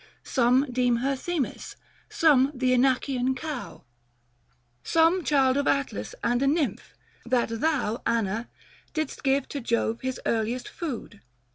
Some deem her Themis ; some th' Inachian cow ; Some child of Atlas and a Nymph ; that thou, Anna, didst give to Jove his earliest food.